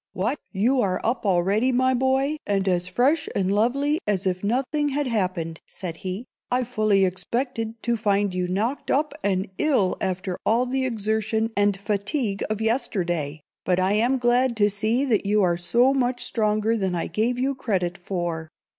"What! you are up already, my boy, and as fresh and lively as if nothing had happened!" said he. "I fully expected to find you knocked up and ill after all the exertion and fatigue of yesterday; but I am glad to see that you are so much stronger than I gave you credit for.